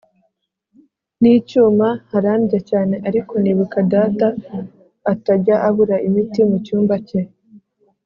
nicyuma harandya cyane ariko nibuka data atajya abura imiti mucyumba cye